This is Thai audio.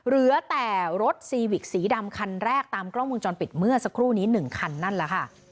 เหลือแต่รถซีวิกสีดำคันแรกตามกล้องวงจรปิดเมื่อสักครู่นี้๑คันนั่นแหละค่ะ